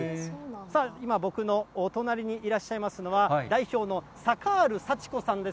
今、僕のお隣にいらっしゃいますのは、代表のサカール祥子さんです。